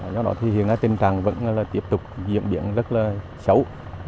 do đó thì hiện nay tình trạng vẫn là tiếp tục diễn biến rất là xấu